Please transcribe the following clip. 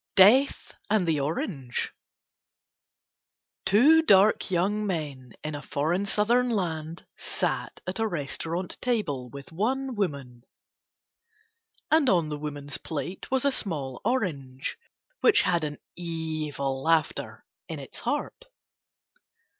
DEATH AND THE ORANGE Two dark young men in a foreign southern land sat at a restaurant table with one woman. And on the woman's plate was a small orange which had an evil laughter in its heart.